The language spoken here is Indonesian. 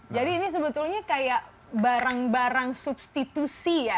jadi ini sebetulnya kayak barang barang substitusi ya